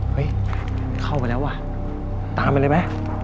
เฮ้ยเข้าไปแล้วว่ะตามไปเลยมั้ย